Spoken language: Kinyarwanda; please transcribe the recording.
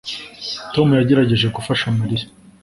Tom yagerageje gufasha Mariya